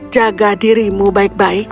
jaga dirimu baik baik